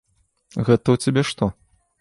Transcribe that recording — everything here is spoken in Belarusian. Гэта ў цябе што?